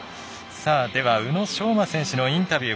では宇野昌磨選手のインタビュー